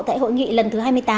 tại hội nghị lần thứ hai mươi tám